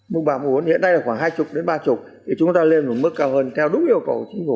mức ba mức bốn hiện nay là khoảng hai mươi đến ba mươi thì chúng ta lên một mức cao hơn theo đúng yêu cầu của chính phủ